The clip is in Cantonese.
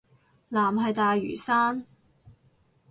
藍係大嶼山